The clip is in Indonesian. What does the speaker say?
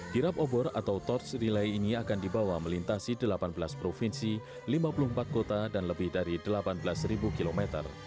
kirap obor atau torch relay ini akan dibawa melintasi delapan belas provinsi lima puluh empat kota dan lebih dari delapan belas km